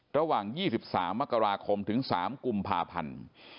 ระหว่าง๒๓มกราคมถึง๓กุมภาพันธ์